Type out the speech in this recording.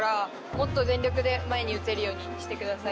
もっと全力で前に打てるようにしてください。